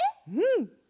うん！